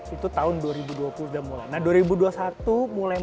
itu tahun dua ribu dua puluh sudah mulai